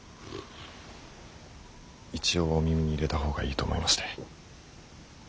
一応お耳に入れた方がいいと思いまして。